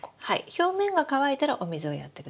表面が乾いたらお水をやってください。